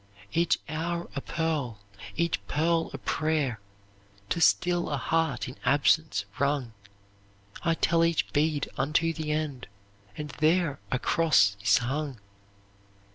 "'Each hour a pearl, each pearl a prayer, To still a heart in absence wrung; I tell each bead unto the end, and there A cross is hung.